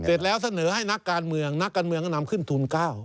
เสร็จแล้วเสนอให้นักการเมืองนักการเมืองก็นำขึ้นทูล๙